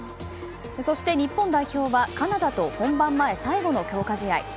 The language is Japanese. そして日本代表はカナダと本番前、最後の強化試合。